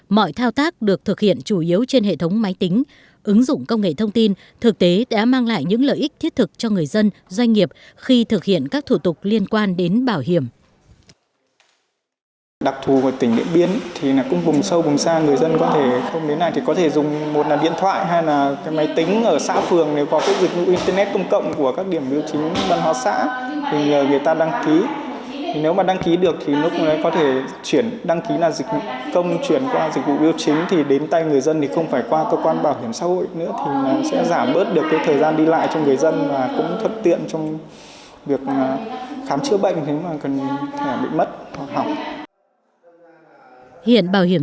mọi thao tác được thực hiện chủ yếu trên hệ thống máy tính ứng dụng công nghệ thông tin thực tế đã mang lại những lợi ích thiết thực cho người dân doanh nghiệp khi thực hiện các thủ tục liên quan đến bảo hiểm